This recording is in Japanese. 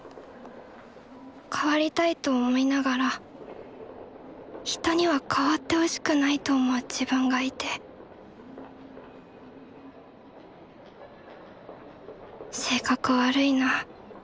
「変わりたい」と思いながら人には「変わってほしくない」と思う自分がいて性格悪いな私。